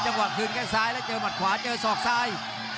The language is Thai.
คืนแค่งซ้ายแล้วเจอหมัดขวาเจอศอกซ้าย